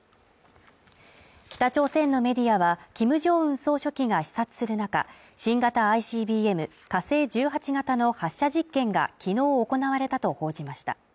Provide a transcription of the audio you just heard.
北朝鮮のメディアはキム・ジョンウン総書記が視察する中、新型ＩＣＢＭ火星１８型の発射実験が昨日行われたと報じました。